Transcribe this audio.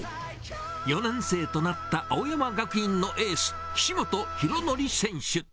４年生となった青山学院のエース、岸本大紀選手。